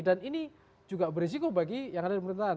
dan ini juga berisiko bagi yang ada di pemerintahan